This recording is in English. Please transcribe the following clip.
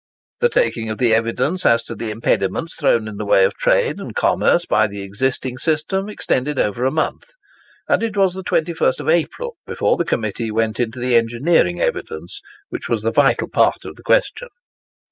The taking of the evidence as to the impediments thrown in the way of trade and commerce by the existing system extended over a month, and it was the 21st of April before the Committee went into the engineering evidence, which was the vital part of the question.